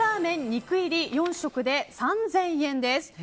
肉入り４食で３０００円です。